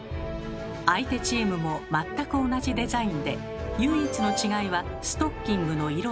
相手チームも全く同じデザインで唯一の違いはストッキングの色だけでした。